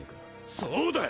そうだよ！